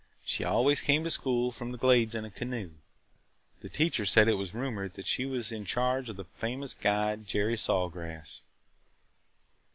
She always came to school from the Glades in a canoe. The teacher said it was rumored that she was in charge of the famous guide Jerry Saw Grass."